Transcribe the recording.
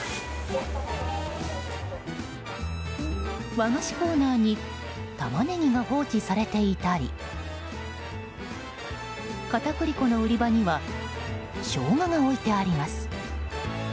和菓子コーナーにタマネギが放置されていたり片栗粉の売り場にはショウガが置いてあります。